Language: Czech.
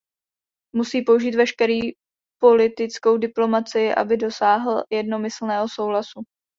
Musí použít veškerý politickou diplomacii, aby dosáhl jednomyslného souhlasu.